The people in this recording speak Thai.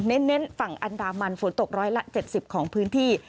เน้นฝั่งอันดามันฝนตกร้อยละ๗๐ของพื้นที่